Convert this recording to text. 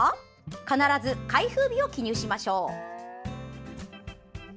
必ず開封日を記入しましょう。